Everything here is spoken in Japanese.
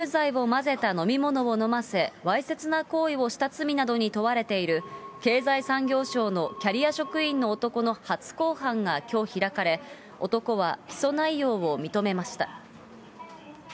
２０代の女性に、睡眠導入剤を混ぜた飲み物を飲ませ、わいせつな行為をした罪などに問われている経済産業省のキャリア職員の男の初公判がきょう開かれ、男は起訴内容を認めました。